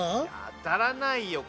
当たらないよ